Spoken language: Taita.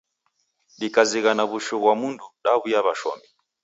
Dikazighana w'ushu ghwa mndu, daw'uya w'ashomi.